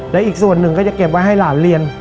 และอีกส่วนหนึ่งก็จะเก็บไว้ให้หลานเรียน